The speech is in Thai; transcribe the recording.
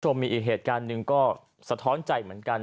มีอีกเหตุการณ์หนึ่งก็สะท้อนใจเหมือนกัน